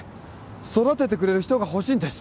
育ててくれる人がほしいんです！